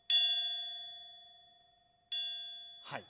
はい。